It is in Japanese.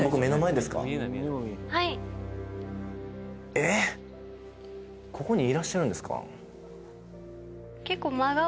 ☎はいええっここにいらっしゃるんですか？